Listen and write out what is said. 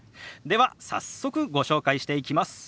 では早速ご紹介していきます。